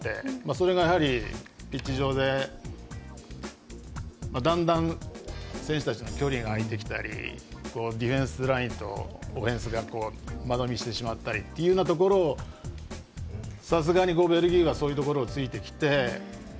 それがピッチ上でだんだん選手たちの距離が開いてきたりディフェンスラインとオフェンスが間延びしてしまったりというところをさすがにベルギーが突いてきて。